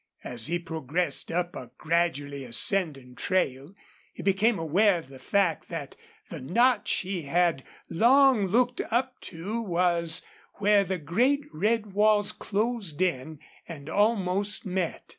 As he progressed up a gradually ascending trail he became aware of the fact that the notch he had long looked up to was where the great red walls closed in and almost met.